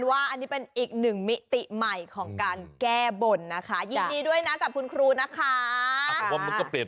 อยากจะมาปิ้งด้วยเลย